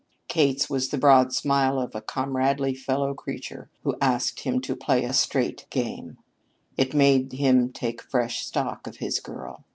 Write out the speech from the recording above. Kate's was the bright smile of a comradely fellow creature who asked him to play a straight game. It made him take fresh stock of his girl.